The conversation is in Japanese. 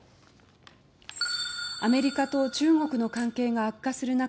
アメリカと中国の関係が悪化する中